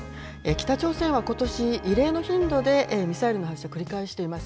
北朝鮮はことし、異例の頻度でミサイルの発射、繰り返しています。